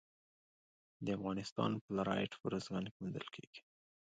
د افغانستان فلورایټ په ارزګان کې موندل کیږي.